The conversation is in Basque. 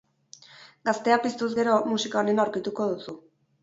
Gaztea piztuz gero, musika onena aurkituko duzu!